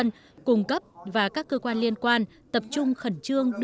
công an công cấp và các cơ quan liên quan tập trung khẩn trương